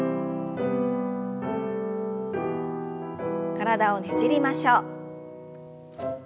体をねじりましょう。